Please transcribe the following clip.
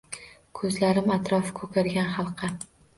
Ko’zlarim atrofi ko’kargan halqa.